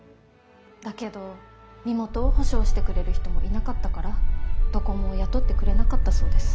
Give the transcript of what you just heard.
だけど身元を保証してくれる人もいなかったからどこも雇ってくれなかったそうです。